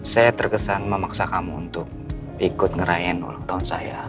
saya terkesan memaksa kamu untuk ikut ngerain ulang tahun saya